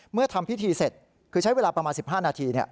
ทำพิธีเสร็จคือใช้เวลาประมาณ๑๕นาที